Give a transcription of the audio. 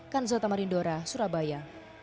kanjota marindora surabaya